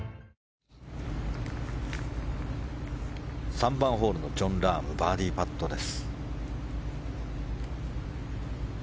３番ホールのジョン・ラームバーディーパットです。